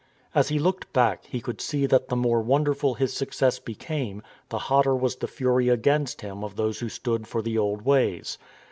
As he looked back he could see that the more won derful his success became, the hotter was the fury against him of those who stood for the old ways.